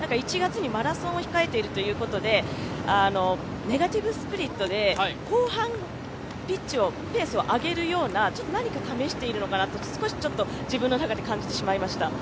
マラソンを１月に控えてるということでネガティブスプリットで後半ピッチ、ペースを上げるようなちょっと何か試しているのかなと、自分の中で感じてしまいました。